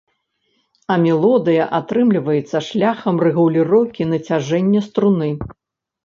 А мелодыя атрымліваецца шляхам рэгуліроўкі нацяжэння струны.